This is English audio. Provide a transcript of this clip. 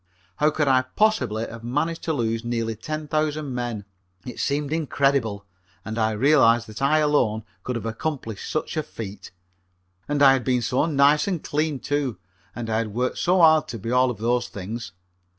How could I possibly have managed to lose nearly ten thousand men? It seemed incredible, and I realized then that I alone could have accomplished such a feat. And I had been so nice and clean, too, and I had worked so hard to be all of those things.